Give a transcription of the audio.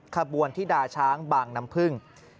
ขบวนที่ดาช้างบางน้ำพึ่ง